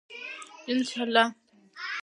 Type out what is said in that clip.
انشاءالله.